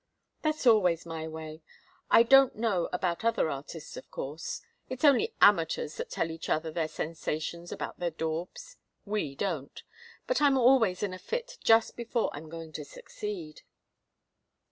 "That's always my way. I don't know about other artists, of course. It's only amateurs that tell each other their sensations about their daubs. We don't. But I'm always in a fit just before I'm going to succeed."